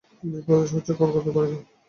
বিপ্রদাসের ইচ্ছে কলকাতার বাড়িতে।